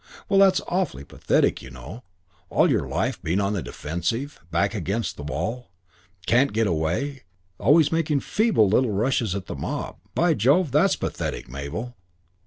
Well, that's awfully pathetic, you know, all your life being on the defensive; back against the wall; can't get away; always making feeble little rushes at the mob. By Jove, that's pathetic, Mabel."